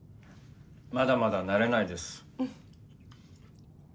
まだまだ慣れないです。